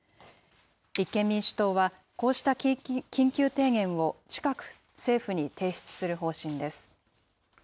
立憲民主党はこうした緊急提言を近く政府に提出する方針です。